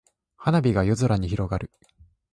花火が夜空に広がる。